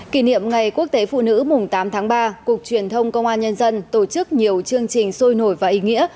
kỷ niệm ngày quốc tế phụ nữ mùng tám tháng ba cục truyền thông công an nhân dân tổ chức nhiều chương trình sôi nổi và ý nghĩa